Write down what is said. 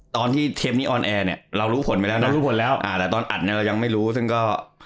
เทปนี้ออนแอร์เนี่ยเรารู้ผลไปแล้วเรารู้ผลแล้วอ่าแต่ตอนอัดเนี่ยเรายังไม่รู้ซึ่งก็